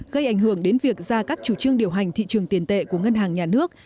gây ảnh hưởng đến việc ra các chủ trương điều hành thị trường tiền tệ của ngân hàng nhà nước